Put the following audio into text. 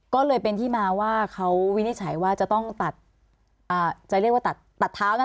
ก็เลยเป็นที่มาว่าเขาวินิจฉัยว่าจะต้องตัดอ่าจะเรียกว่าตัดตัดเท้านะ